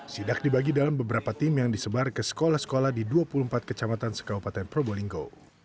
sidak dibagi dalam beberapa tim yang disebar ke sekolah sekolah di dua puluh empat kecamatan sekaupaten probolinggo